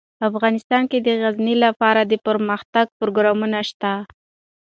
افغانستان کې د غزني لپاره دپرمختیا پروګرامونه شته.